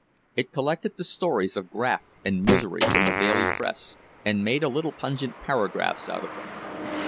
It collected the stories of graft and misery from the daily press, and made a little pungent paragraphs out of them.